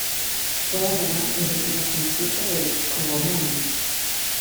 Fue además el último sencillo del disco homónimo.